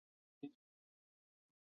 圣让皮耶尔菲克斯特。